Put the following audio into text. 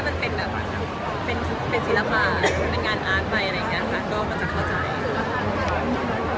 แล้วพี่รอเลยล่ะคะ